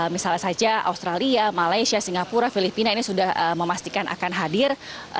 misalnya saja australia malaysia singapura filipina ini sudah memastikan akan hadir